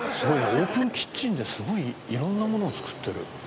オープンキッチンですごい色んなものを作ってる。